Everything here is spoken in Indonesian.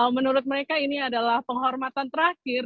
menurut mereka ini adalah penghormatan terakhir